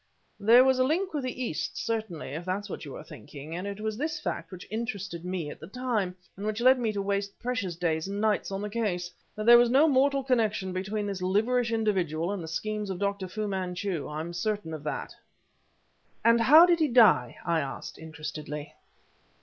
"There was a link with the East, certainly, if that's what you are thinking; and it was this fact which interested me at the time, and which led me to waste precious days and nights on the case. But there was no mortal connection between this liverish individual and the schemes of Dr. Fu Manchu. I'm certain of that." "And how did he die?" I asked, interestedly.